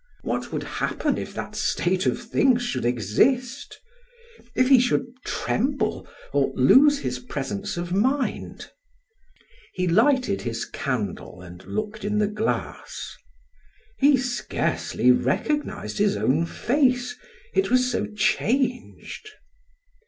What would happen if that state of things should exist? If he should tremble or lose his presence of mind? He lighted his candle and looked in the glass; he scarcely recognized his own face, it was so changed.